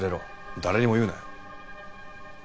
誰にも言うなよ。